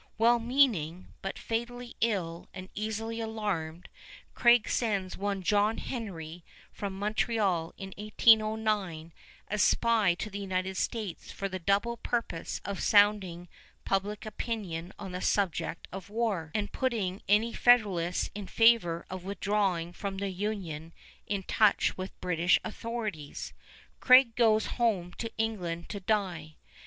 Well meaning, but fatally ill and easily alarmed, Craig sends one John Henry from Montreal in 1809 as spy to the United States for the double purpose of sounding public opinion on the subject of war, and of putting any Federalists in favor of withdrawing from the Union in touch with British authorities. Craig goes home to England to die.